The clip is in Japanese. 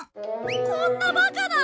こんなバカな！